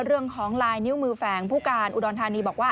เรื่องของลายนิ้วมือแฝงผู้การอุดรธานีบอกว่า